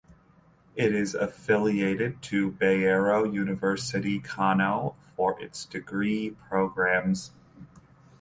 It is affiliated to Bayero University Kano for its degree programmes.